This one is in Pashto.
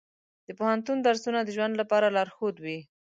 د پوهنتون درسونه د ژوند لپاره لارښود وي.